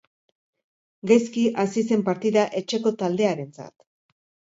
Gaizki hasi zen partida etxeko taldearentzat.